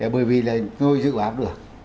bởi vì là tôi dự áp được